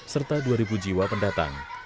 serta dua jiwa pendatang